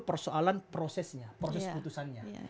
persoalan prosesnya proses putusannya